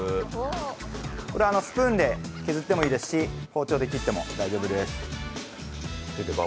スプーンで削ってもいいですし、包丁で切っても大丈夫です。